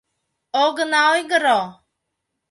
Огына ойгыро...